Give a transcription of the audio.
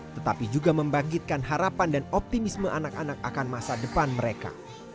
tetapi juga membangkitkan harapan dan optimisme anak anak akan masa depan mereka